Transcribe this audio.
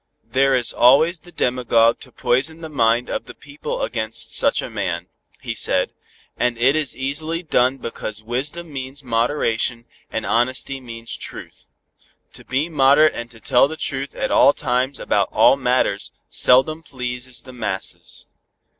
"There is always the demagogue to poison the mind of the people against such a man," he said, "and it is easily done because wisdom means moderation and honesty means truth. To be moderate and to tell the truth at all times and about all matters seldom pleases the masses."